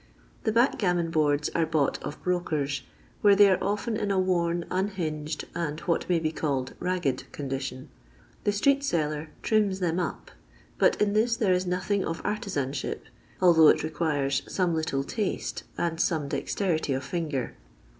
The backgammon boards are bought of brokers, when they are often in a worn, unhinged, and what may be called ragged condition. The street seller " trims them up," but in this there is nothing of artisanship, although it requires some little taste and some dexterity of finger.